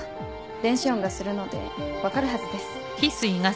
電子音がするので分かるはずです。